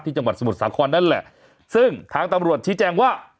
จังหวัดสมุทรสาครนั่นแหละซึ่งทางตำรวจชี้แจงว่า